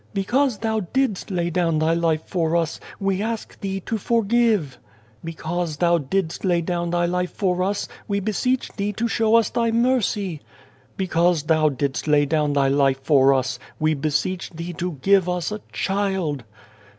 " Because Thou didst lay down Thy life for us, we ask Thee to forgive. " Because Thou didst lay down Thy life for us, we beseech Thee to show us Thy mercy. " Because Thou didst lay down Thy life for us, we beseech Thee to give us a child.